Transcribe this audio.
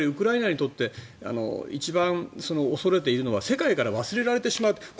やっぱりウクライナにとって一番恐れているのは世界から忘れられてしまう。